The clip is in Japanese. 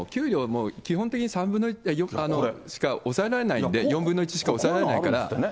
もう基本的に３分の１しか押さえられるんで、４分の１しか押さえられないから。